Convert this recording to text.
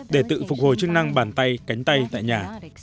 để tự phục hồi chức năng bàn tay cánh tay tại nhà